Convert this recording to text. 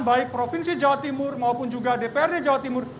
baik provinsi jawa timur maupun juga dprd jawa timur